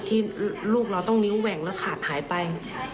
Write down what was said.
ที่ลูกเราต้องนิ้วแหว่งแล้วขาดหายไป